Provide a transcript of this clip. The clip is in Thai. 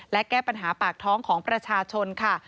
และแก้ปัญหาปากท้องของประชาชนค่ะ